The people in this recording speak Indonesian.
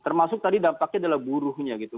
termasuk tadi dampaknya adalah buruhnya gitu